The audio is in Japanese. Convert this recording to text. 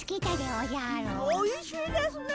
おいしいですね。